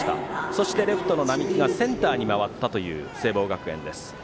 そしてレフトの双木がセンターに回ったという聖望学園。